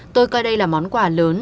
tôi coi đây là món quà lớn